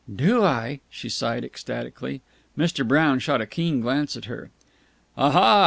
"Do I!" she sighed ecstatically. Mr. Brown shot a keen glance at her. "Aha!"